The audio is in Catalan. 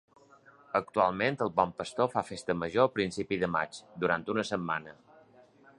Actualment el Bon Pastor fa festa major a principi de maig, durant una setmana.